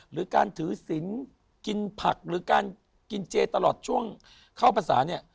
หรือการถือศิลป์กินผักหรือการกินเจตลอดช่วงเข้าภาษาเนี่ย